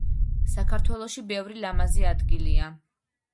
საქართველოში ბევრი ლამაზი ადგილია